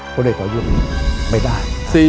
คนอื่นไปรับผิดชอบแทนคนเด็กต่อยุ่งไม่ได้